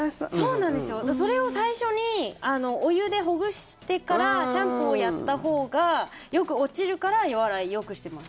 それを最初にお湯でほぐしてからシャンプーをやったほうがよく落ちるから予洗い、よくしてます。